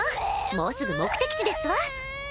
もうすぐ目的地ですわ。